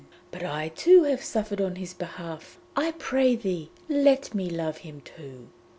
But I too have suffered on his behalf; I pray thee, let me love him too!'